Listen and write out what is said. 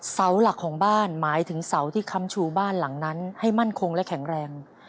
เสาหลักของบ้านหมายถึงเสาที่ค้ำชูบ้านหลังนั้นให้มั่นคงและแข็งแรง